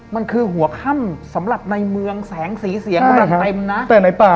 มันคือหัวข้ำสำหรับในเมืองแสงสีเสียงเต็มนะแต่ในป่า